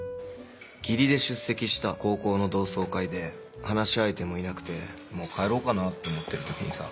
義理で出席した高校の同窓会で話し相手もいなくてもう帰ろうかなって思ってる時にさ。